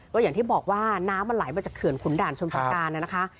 ก็อย่างที่บอกว่าน้ำมันไหลมาจากเขื่อนขุนด่านชนประการนะคะ